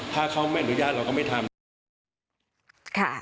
ถ้าเขาไม่อนุญาตเราก็ไม่ทำ